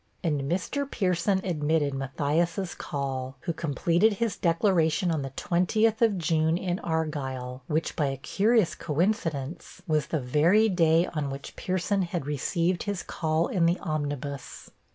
And Mr. Pierson admitted Matthias' call, who completed his declaration on the 20th of June, in Argyle, which, by a curious coincidence, was the very day on which Pierson had received his call in the omnibus.